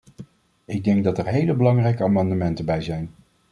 Ik denk dat er hele belangrijke amendementen bij zijn.